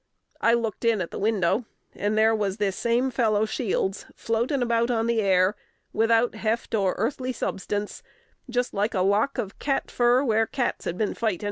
I looked in at the window, and there was this same fellow Shields floatin' about on the air, without heft or earthly substance, just like a lock of cat fur where cats had been fightin'.